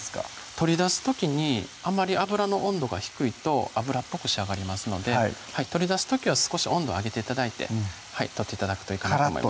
取り出す時にあまり油の温度が低いと油っぽく仕上がりますので取り出す時は少し温度を上げて頂いて取って頂くといいかなと思います